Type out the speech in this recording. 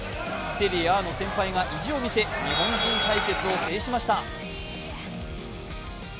セリエＡの先輩が意地を見せ、日本人対決を制しました。